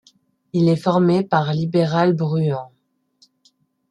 Il est formé par Libéral Bruant.